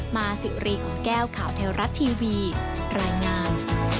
มาสิรีขุนแก้วข่าวเทวรัฐทีวีรายงาน